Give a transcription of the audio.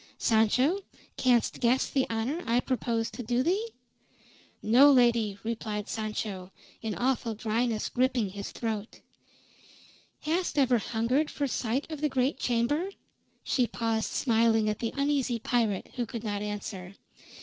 Sancho, canst guess the honor I propose to do thee?" "No, lady," replied Sancho, an awful dryness gripping his throat. "Hast ever hungered for sight of the great chamber?" She paused smiling at the uneasy pirate, who could not answer.